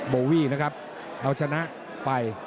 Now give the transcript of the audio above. โบวี่นะครับเอาชนะไป